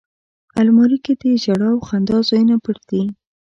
الماري کې د ژړا او خندا ځایونه پټ دي